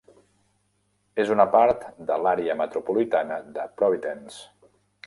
És una part de l'àrea metropolitana de Providence.